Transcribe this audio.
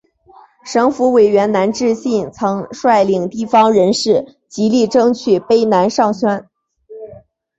省府委员南志信曾率领地方人士极力争取卑南上圳。